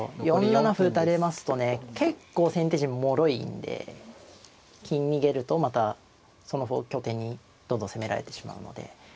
４七歩打たれますとね結構先手陣もろいんで金逃げるとまたその拠点にどんどん攻められてしまうので。